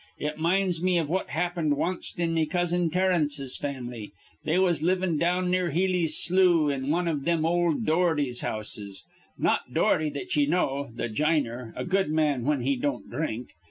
It minds me iv what happened wanst in me cousin Terence's fam'ly. They was livin' down near Healey's slough in wan iv thim ol' Doherty's houses, not Doherty that ye know, th' j'iner, a good man whin he don't dhrink.